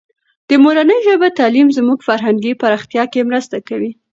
د مورنۍ ژبې تعلیم زموږ فرهنګي پراختیا کې مرسته کوي.